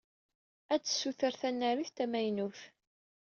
Ad tessuter tanarit tamaynut.